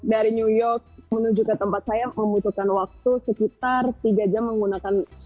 dari new york menuju ke tempat saya membutuhkan waktu sekitar tiga jam menggunakan